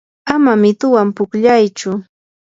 ama mituwan pukllayaychu.